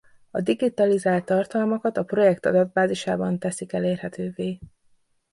A digitalizált tartalmakat a projekt adatbázisában teszik elérhetővé.